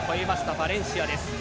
バレンシアです。